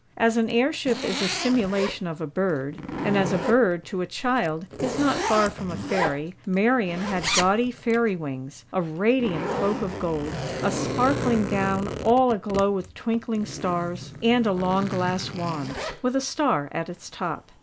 As an airship is a simulation of a bird; and as a bird, to a child, is not far from a fairy, Marian had gaudy fairy wings, a radiant cloak of gold, a sparkling gown all aglow with twinkling stars, and a long glass wand, with a star at its top.